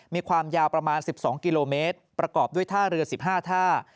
มีความยาวประมาณ๑๒กิโลเมตรประกอบด้วยท่าเรือ๑๕ท่า